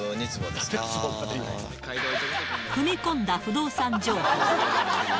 踏み込んだ不動産情報。